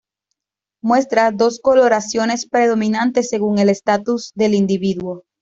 Muestran dos coloraciones predominantes según el estatus del individuo.